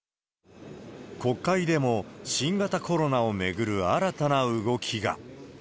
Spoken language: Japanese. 国会でも新型コロナを巡る新たな動きが。